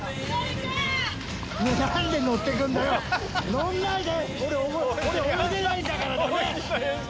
乗んないで。